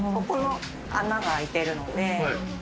ここの穴が開いてるので。